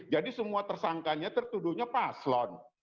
jadi semua tersangkanya tertuduhnya paslon